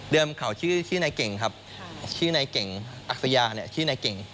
เขาชื่อนายเก่งครับชื่อนายเก่งอักษยาเนี่ยชื่อนายเก่ง